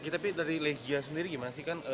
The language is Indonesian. tapi dari legia sendiri gimana sih kan